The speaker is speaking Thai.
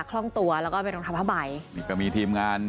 คล่องตัวแล้วก็เป็นรองเท้าผ้าใบนี่ก็มีทีมงาน